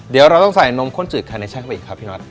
เดี๋ยวเราต้องใส่นมข้นจืดคาเนชั่นเข้าไปอีกครับพี่น็อต